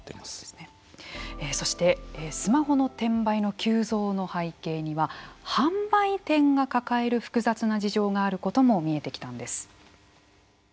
そしてスマホの転売の急増の背景には販売店が抱える複雑な事情があることも見えてきたんです。